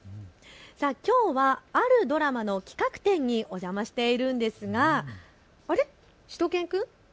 さあ、きょうはあるドラマの企画展にお邪魔しているんですがあれっ、